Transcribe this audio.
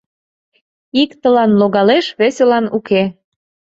Иктылан — логалеш, весылан — уке.